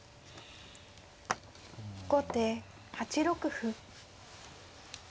後手８六歩。